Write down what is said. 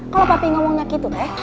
kalau papi ngomongnya gitu deh